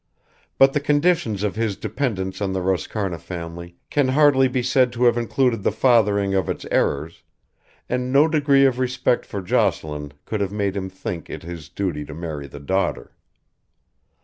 But the conditions of his dependence on the Roscarna family can hardly be said to have included the fathering of its errors, and no degree of respect for Jocelyn could have made him think it his duty to marry the daughter.